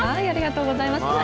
ありがとうございます。